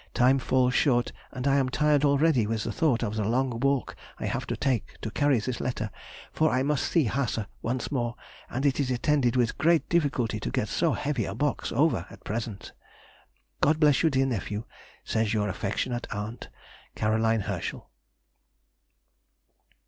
Time falls short, and I am tired already with the thought of the long walk I have to take to carry this letter, for I must see Haase once more, and it is attended with great difficulty to get so heavy a box over at present. God bless you, dear nephew, Says your affectionate aunt, CAR. HERSCHEL.